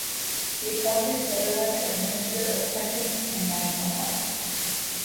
He appointed Sutherland as Minister of Pensions and National Health.